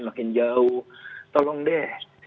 makin jauh tolong deh